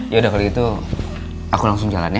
yaudah kalau gitu aku langsung jalannya